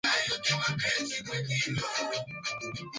vitamin A ya viazi lishe ikipungua mwili hupata madhara